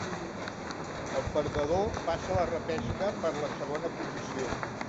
El perdedor passa a la repesca per la segona posició.